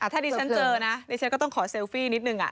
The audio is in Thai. ถ้าดิฉันเจอนะดิฉันก็ต้องขอเซลฟี่นิดนึง